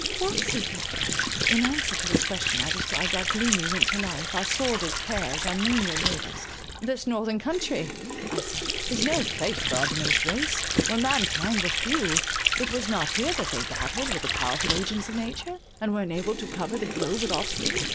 "What secret?" In answer to this question, I described our gloomy winter life, our sordid cares, our menial labours:—"This northern country," I said, "is no place for our diminished race. When mankind were few, it was not here that they battled with the powerful agents of nature, and were enabled to cover the globe with offspring.